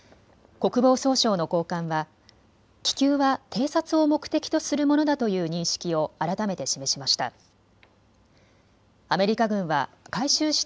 国防総省の高官は気球は偵察を目的とするものだという認識を改めて示しました。